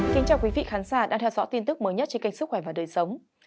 xin chào quý vị khán giả đang theo dõi tin tức mới nhất trên kênh sức khỏe và đời sống